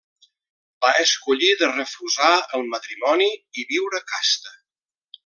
Va escollir de refusar el matrimoni i viure casta.